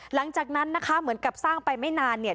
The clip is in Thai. หลังจากนั้นนะคะเหมือนกับสร้างไปไม่นานเนี่ย